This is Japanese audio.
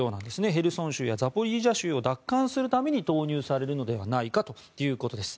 ヘルソン州やザポリージャ州を奪還するために投入されるのではないかということです。